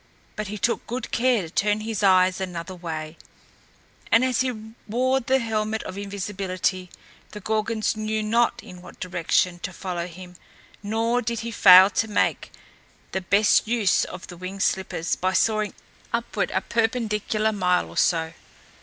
But he took good care to turn his eyes another way; and as he wore the helmet of invisibility, the Gorgons knew not in what direction to follow him; nor did he fail to make the best use of the winged slippers by soaring upward a perpendicular mile or so.